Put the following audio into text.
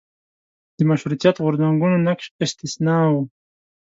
د مشروطیت غورځنګونو نقش استثنا و.